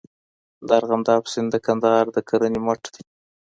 د ارغنداب سیند د کندهار د کرنې مټ دی.